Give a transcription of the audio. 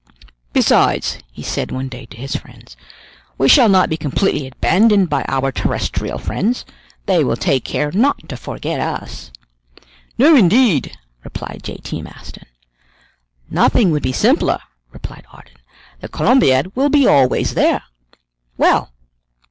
"Besides," he said one day to his friends, "we shall not be completely abandoned by our terrestrial friends; they will take care not to forget us." "No, indeed!" replied J. T. Maston. "Nothing would be simpler," replied Ardan; "the Columbiad will be always there. Well!